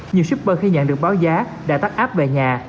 nhiều shipper khi nhận được báo giá đã tắt app về nhà